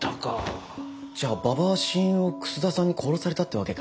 じゃあ馬場は親友を楠田さんに殺されたってわけか。